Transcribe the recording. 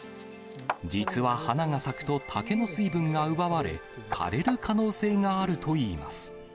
実は花が咲くと竹の水分が奪われ、枯れる可能性があるといいます。